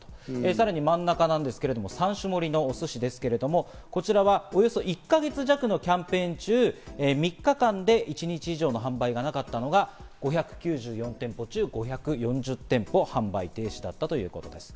さらに真ん中、３種盛りのお寿司ですけど、こちらはおよそ１か月弱のキャンペーン中、３日間で一日以上の販売がなかったのが５９４店舗中５４０店舗、販売停止だったということです。